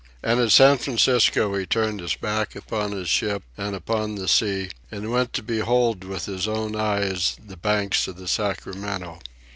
And at San Francisco he turned his back upon his ship and upon the sea, and went to behold with his own eyes the banks of the Sacramento.